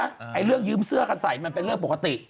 ไอ้เรื่องยืมเสื้อกันใส่มันเป็นเรื่องปกติ